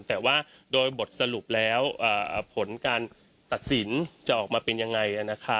แต่ว่าโดยบทสรุปแล้วผลการตัดสินจะออกมาเป็นยังไง